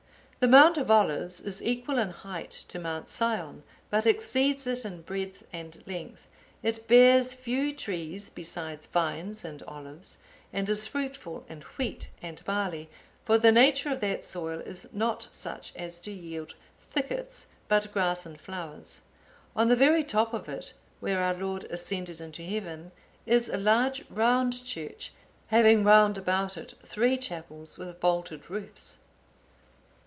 "The Mount of Olives is equal in height to Mount Sion, but exceeds it in breadth and length; it bears few trees besides vines and olives, and is fruitful in wheat and barley, for the nature of that soil is not such as to yield thickets,(864) but grass and flowers. On the very top of it, where our Lord ascended into heaven, is a large round church,(865) having round about it three chapels with vaulted roofs.